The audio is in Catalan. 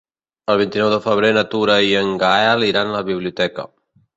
El vint-i-nou de febrer na Tura i en Gaël iran a la biblioteca.